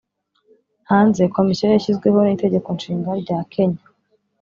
hanze Komisiyo yashyizweho n Itegeko Nshinga ryakenya